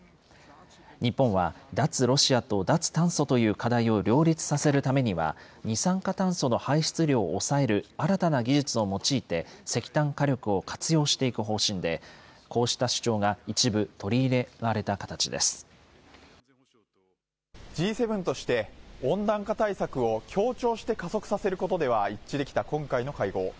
日本は脱ロシアと脱炭素という課題を両立させるためには、二酸化炭素の排出量を抑える新たな技術を用いて、石炭火力を活用していく方針で、こうした主張が一部取り入れられＧ７として、温暖化対策を協調して加速させることでは一致できた今回の会合。